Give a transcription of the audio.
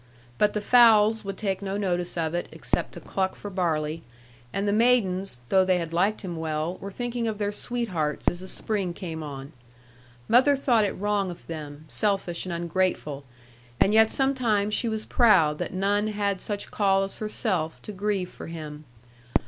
But the fowls would take no notice of it, except to cluck for barley; and the maidens, though they had liked him well, were thinking of their sweethearts as the spring came on. Mother thought it wrong of them, selfish and ungrateful; and yet sometimes she was proud that none had such call as herself to grieve for him.